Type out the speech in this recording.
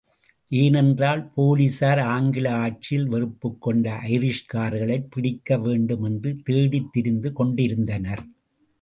ஏனென்றால் போலிஸார் ஆங்கில ஆட்சியில் வெறுப்புக்கொண்ட ஐரிஷ்காரர்களைப் பிடிக்கவேண்டும் என்று தேடித்திரிந்து கொண்டிருந்தனர்.